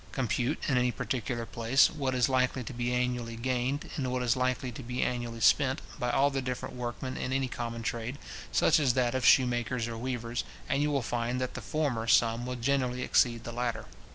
Compute, in any particular place, what is likely to be annually gained, and what is likely to be annually spent, by all the different workmen in any common trade, such as that of shoemakers or weavers, and you will find that the former sum will generally exceed the latter.